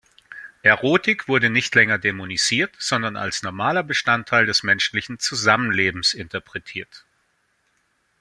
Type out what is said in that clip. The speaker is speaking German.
Erotik wurde nicht länger dämonisiert, sondern als normaler Bestandteil des menschlichen Zusammenlebens interpretiert.